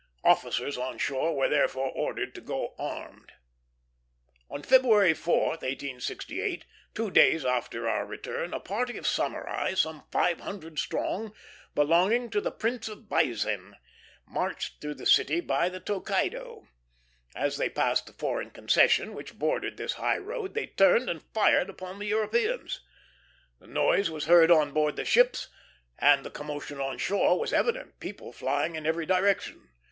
Officers on shore were therefore ordered to go armed. On February 4, 1868, two days after our return, a party of samurai, some five hundred strong, belonging to the Prince of Bizen, marched through the town by the Tokaido. As they passed the foreign concession, which bordered this high road, they turned and fired upon the Europeans. The noise was heard on board the ships, and the commotion on shore was evident, people fleeing in every direction.